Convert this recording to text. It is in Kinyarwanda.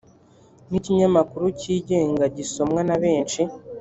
ni ikinyamakuru cyigenga gisomwa na benshi